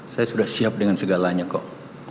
saya sudah siap dengan segalanya kok